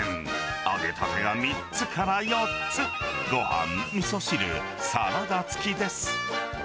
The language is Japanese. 揚げたてが３つから４つ、ごはん、みそ汁、サラダつきです。